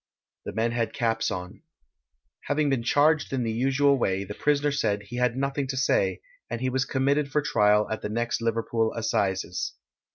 The men had caps on. Having been charged in the usual way, the prisoner said he had nothing to say, and he was committed for trial at the next Liverpool assizes.